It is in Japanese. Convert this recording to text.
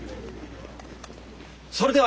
それでは